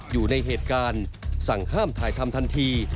อยู่ในเหตุการณ์สั่งห้ามถ่ายทำทันที